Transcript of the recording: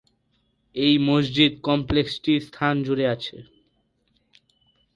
এই মসজিদ কমপ্লেক্সটি স্থান জুড়ে আছে।